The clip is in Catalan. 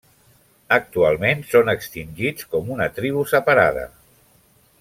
Actualment són extingits com una tribu separada.